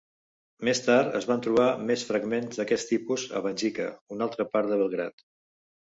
Més tard es van trobar més fragments d'aquest tipus a Banjica, una altra part de Belgrad.